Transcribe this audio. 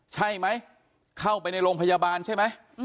ใช่ไหมเข้าไปในโรงพยาบาลใช่ไหม